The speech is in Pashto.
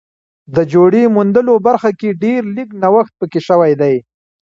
د جوړې موندلو برخه کې ډېر لږ نوښت پکې شوی دی